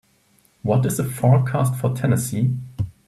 what is the forecast for Tennessee